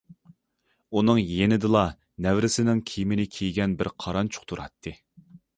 ئۇنىڭ يېنىدىلا نەۋرىسىنىڭ كىيىمىنى كىيگەن بىر قارانچۇق تۇراتتى.